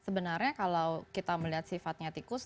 sebenarnya kalau kita melihat sifatnya tikus